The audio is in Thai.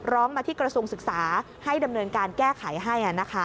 ร้องมาที่กระทรวงศึกษาให้ดำเนินการแก้ไขให้